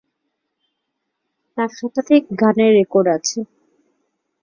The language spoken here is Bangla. তার শতাধিক গানের রেকর্ড আছে।